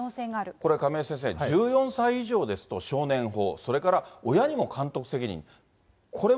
これ亀井先生、１４歳以上ですと、少年法、それから親にも監督責任。